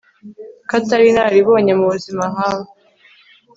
ko atari inararibonye mu buzima nkawe